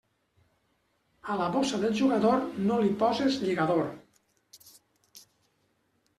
A la bossa del jugador no li poses lligador.